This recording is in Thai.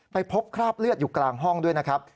ไปพบคราบเลือดอยู่กลางห้องด้วยนะครับ